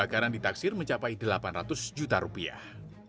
pemakaran di taksir mencapai delapan ratus juta rupiah